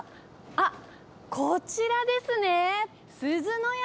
あっ、こちらですね。